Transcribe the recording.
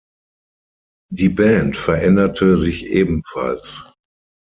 Die Band veränderte sich ebenfalls.